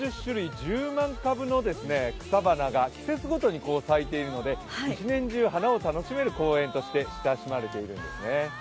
１０万株の草花が季節ごとに咲いているので１年中花を楽しめる公園として親しまれているんですね。